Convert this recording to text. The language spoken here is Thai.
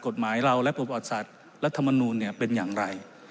กฎหมายเราและประวัติศาสตร์รัฐมนูลเป็นอย่างไร